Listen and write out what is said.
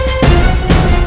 tuhan yang menemukan